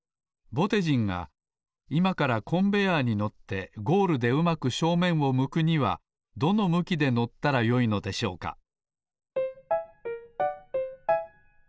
ぼてじんがいまからコンベヤーに乗ってゴールでうまく正面を向くにはどの向きで乗ったらよいのでしょうか？